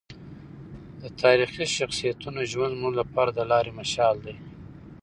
د تاریخي شخصیتونو ژوند زموږ لپاره د لارې مشال دی.